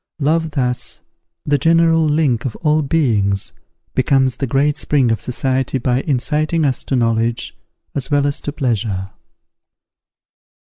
Love, thus, the general link of all beings, becomes the great spring of society, by inciting us to knowledge as well as to pleasure.